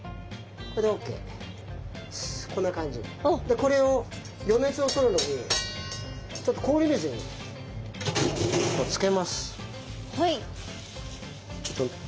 これを余熱を取るのにちょっと氷水にこうつけます。